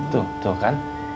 tuh tuh kan